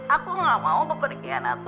aku gak mau kepergian aku